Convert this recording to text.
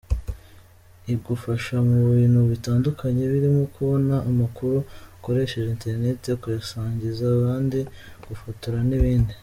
Igufasha mu bintu bitandukanye birimo kubona amakuru ukoresheje internet, kuyasangiza abandi, gufotora n’ibindi.